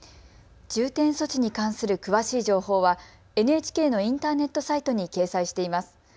重点措置に関する詳しい情報はＮＨＫのインターネットサイトに掲載しています。